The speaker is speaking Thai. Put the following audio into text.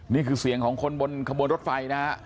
นี่คือเสียงของคนบนขบวนรถไฟนะฮะ